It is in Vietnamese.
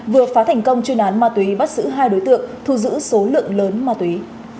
vừa phá thành công chuyên án ma túy bắt giữ hai đối tượng thu giữ số lượng lớn ma túy